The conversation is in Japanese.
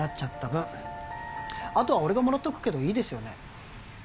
分あとは俺がもらっとくけどいいですよね